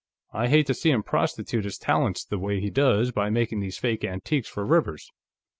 I hate to see him prostitute his talents the way he does by making these fake antiques for Rivers.